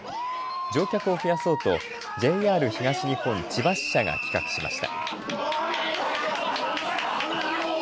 乗客を増やそうとＪＲ東日本千葉支社が企画しました。